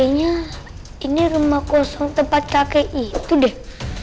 kayaknya ini rumah kosong tempat kakek itu deh